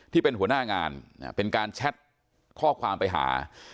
ที่เป็นหัวหน้างานเป็นการแชทข้อความไปหา